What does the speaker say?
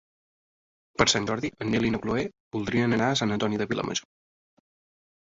Per Sant Jordi en Nel i na Chloé voldrien anar a Sant Antoni de Vilamajor.